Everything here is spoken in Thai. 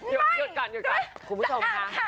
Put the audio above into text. เดี๋ยวหญิงต้องถูกคิด